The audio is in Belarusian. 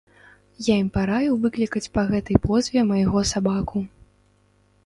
Я яму параіў выклікаць па гэтай позве майго сабаку.